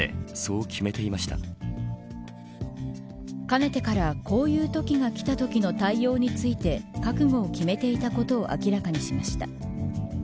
かねてから、こういうときがきたときの対応について覚悟を決めていたことを明らかにしました。